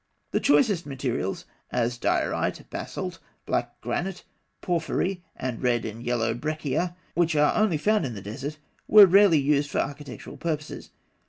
The choicest materials, as diorite, basalt, black granite, porphyry, and red and yellow breccia, which are only found in the desert, were rarely used for architectural purposes.